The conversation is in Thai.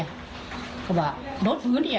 อย่างแกปุ่นเนี่ย